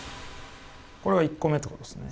これは１個目ってことですね。